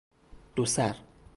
دو سر